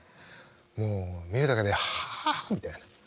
もう見るだけではあみたいな。